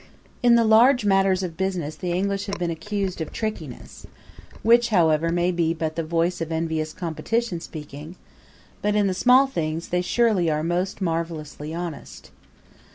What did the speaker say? In the large matters of business the English have been accused of trickiness, which, however, may be but the voice of envious competition speaking; but in the small things they surely are most marvelously honest.